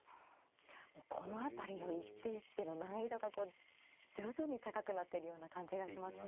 この辺りの一手一手の難易度がこう徐々に高くなっているような感じがしますね。